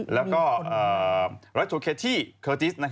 แล้วก็รอยทูลเคที่เคอร์ติส